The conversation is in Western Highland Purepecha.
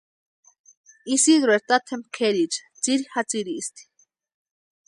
Isidrueri tatempa kʼeriecha tsiri jatsiristi.